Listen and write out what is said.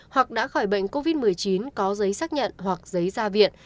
hoặc đã khỏi bệnh covid một mươi chín có giấy xác nhận hoặc giấy ra viện